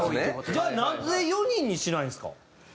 じゃあなぜ４人にしないんですか？